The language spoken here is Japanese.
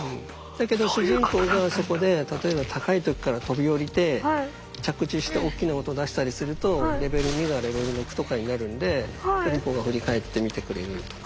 だけど主人公がそこで例えば高いとこから飛び降りて着地しておっきな音出したりするとレベル２がレベル６とかになるんでトリコが振り返って見てくれるとか。